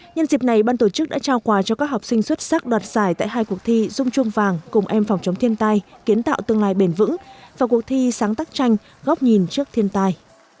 nhân dịp này ban tổ chức đã trao quà cho các học sinh xuất sắc đoạt giải tại hai cuộc thi dung chuông vàng cùng em phòng chống thiên tai kiến tạo tương lai bền vững và cuộc thi sáng tác tranh góc nhìn trước thiên tai